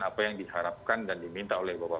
apa yang diharapkan dan diminta oleh bapak